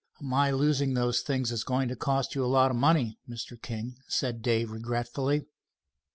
"My losing those things is going to cost you a lot of money, Mr. King," said Dave regretfully.